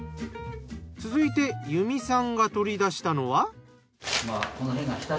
続いて由美さんが取り出したのは。